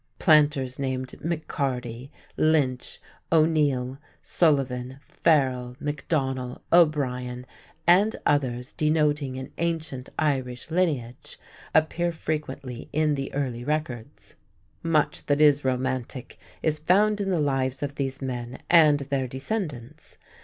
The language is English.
Planters named McCarty, Lynch, O'Neill, Sullivan, Farrell, McDonnell, O'Brien, and others denoting an ancient Irish lineage appear frequently in the early records. Much that is romantic is found in the lives of these men and their descendants.